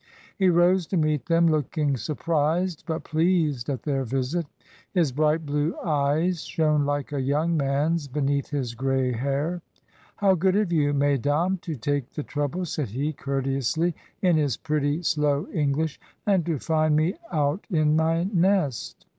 He rose to meet them, looking surprised but pleased at their visit: his bright blue eyes shone like a young man's beneath his grey hair. "How good of you, mesdames, to take the trouble," said he, courteously, in his pretty slow English, "and to find me out in my nest.